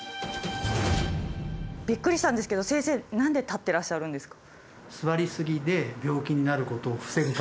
びっくりしたんですけど先生何で立ってらっしゃるんですか？